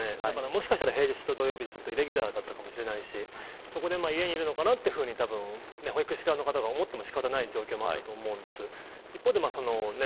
もしかしたら平日と土曜日でイレギュラーだったかもしれないしそこで家にいるのかなと保育士の方が思っても仕方がない状況もあったと思うんです。